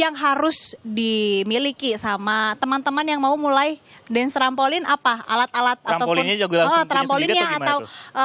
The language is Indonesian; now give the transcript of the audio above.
yang harus dimiliki sama teman teman yang mau mulai dance trampolin apa alat alat ataupun trampolinnya atau